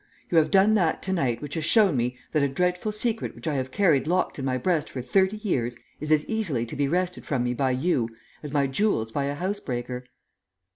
You have done that to night which has shown me that a dreadful secret which I have carried locked in my breast for thirty years, is as easily to be wrested from me by you as my jewels by a house breaker."